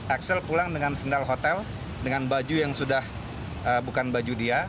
axel pulang dengan sendal hotel dengan baju yang sudah bukan baju dia